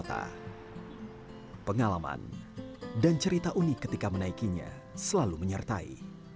tata pengalaman dan cerita unik ketika menaikinya selalu menyertai